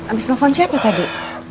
abis telepon siapa tadi